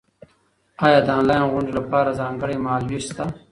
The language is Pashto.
ایا د انلاین غونډو لپاره ځانګړی مهال وېش شته؟